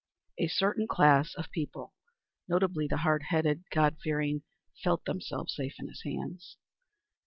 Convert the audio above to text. A certain class of people, notably the hard headed, God fearing, felt themselves safe in his hands.